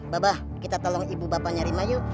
bapak kita tolong ibu bapaknya rimah yuk